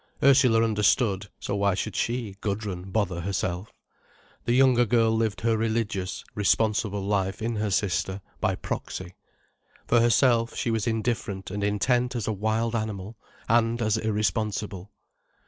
Ursula understood, so why should she, Gudrun, bother herself? The younger girl lived her religious, responsible life in her sister, by proxy. For herself, she was indifferent and intent as a wild animal, and as irresponsible.